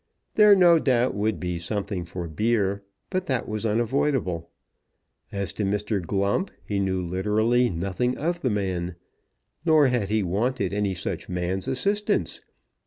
There no doubt would be something for beer, but that was unavoidable. As to Mr. Glump he knew literally nothing of the man, nor had he wanted any such man's assistance.